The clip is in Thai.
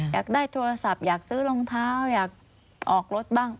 อยากได้โทรศัพท์อยากซื้อรองเท้าอยากออกรถบ้าง